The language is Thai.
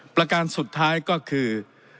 ประการสุดท้ายก็คือ